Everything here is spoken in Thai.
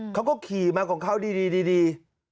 เขาก็ขี่มาของเขาดี